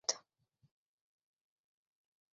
ওকে, এই হচ্ছে পাত।